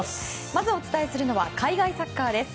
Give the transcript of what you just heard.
まずお伝えするのは海外サッカーです。